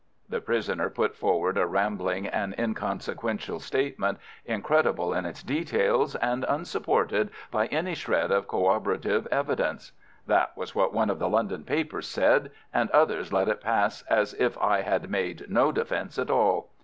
"The prisoner put forward a rambling and inconsequential statement, incredible in its details, and unsupported by any shred of corroborative evidence." That was what one of the London papers said, and others let it pass as if I had made no defence at all.